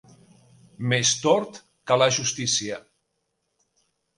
Més tort que la justícia.